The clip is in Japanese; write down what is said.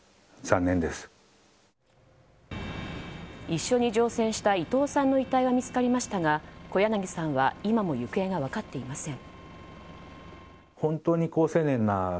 一緒に乗船した伊藤さんの遺体は見つかりましたが小柳さんは今も行方が分かっていません。